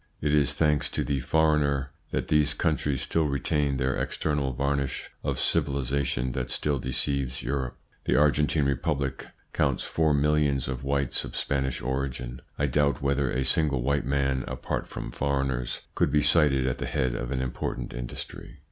It is thanks to the foreigner that these countries still retain that external varnish of civilisation that still deceives Europe. The Argentine Republic counts four millions of whites of Spanish origin ; I doubt whether a single white man, apart from foreigners, could be cited at the head of an important industry.